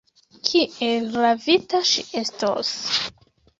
Kiel ravita ŝi estos!